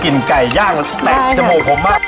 กลิ่นไก่ย่างแตะจมูกผมน่ะ